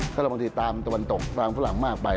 ถ้าเราบางทีตามตะวันตกตามฝรั่งมากไป